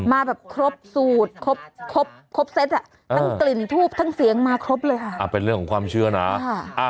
มาแบบครบสูตรครบครบครบเซตอ่ะทั้งกลิ่นทูบทั้งเสียงมาครบเลยค่ะอ่าเป็นเรื่องของความเชื่อนะค่ะอ่า